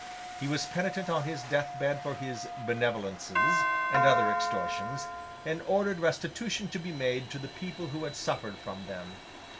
He was penitent on his death bed for his 'benevolences,' and other extortions, and ordered restitution to be made to the people who had suffered from them.